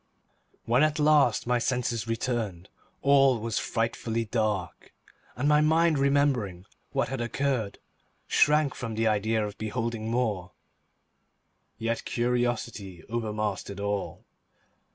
When at last my senses returned, all was frightfully dark, and my mind remembering what had occurred, shrank from the idea of beholding more; yet curiosity overmastered all.